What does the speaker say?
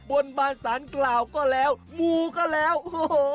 บนบานสารกล่าวก็แล้วมูก็แล้วโอ้โห